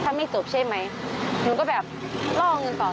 ถ้าไม่จบใช่ไหมหนูก็แบบล่อเงินต่อ